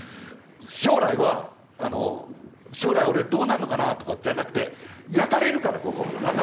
将来は「将来俺どうなんのかな」とかじゃなくて焼かれるからここ。頭。